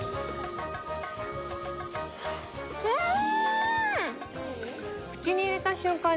うん！